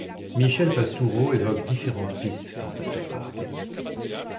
Michel Pastoureau évoque différentes pistes quant à cette rareté.